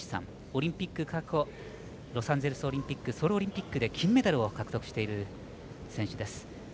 オリンピック過去ロサンゼルスオリンピックソウルオリンピックで金メダルを獲得している選手です。